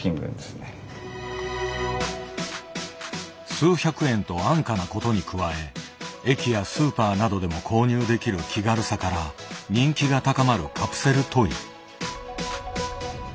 数百円と安価なことに加え駅やスーパーなどでも購入できる気軽さから人気が高まるカプセルトイ。